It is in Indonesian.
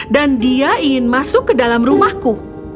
dan dia ingin masuk ke dalam rumahku